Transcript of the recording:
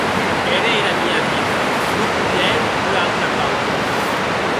Ère era mia vida; non podia hèr ua auta causa.